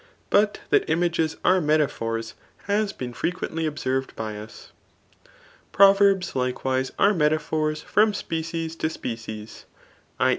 But that images are metaphors, hasboen frequently observed by us. Proverbs likewise are metaphors from species to spe« cies [i.